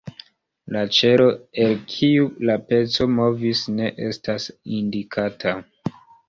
La ĉelo, el kiu la peco movis, ne estas indikata.